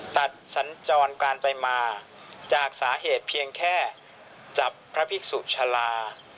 สัญจรการไปมาจากสาเหตุเพียงแค่จับพระภิกษุชาลา